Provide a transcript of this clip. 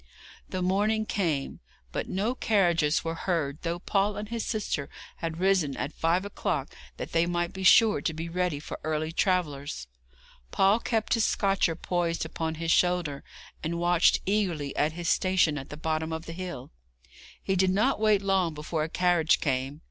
The morning came, but no carriages were heard though Paul and his sister had risen at five o'clock that they might be sure to be ready for early travellers. Paul kept his scotcher poised upon his shoulder, and watched eagerly at his station at the bottom of the hill. He did not wait long before a carriage came.